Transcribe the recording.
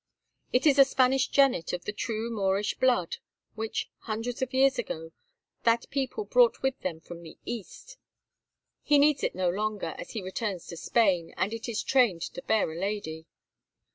It is a Spanish jennet of the true Moorish blood, which, hundreds of years ago, that people brought with them from the East. He needs it no longer, as he returns to Spain, and it is trained to bear a lady."